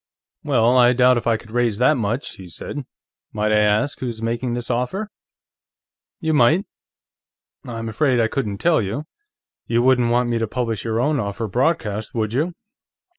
"Well, I doubt if I could raise that much," he said. "Might I ask who's making this offer?" "You might; I'm afraid I couldn't tell you. You wouldn't want me to publish your own offer broadcast, would you?"